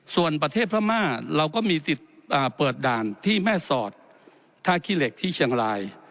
ส่วนประเทศพม่าเราก็มีสิทธิ์เปิดด่านที่แม่สอดท่าขี้เหล็กที่เชียงราย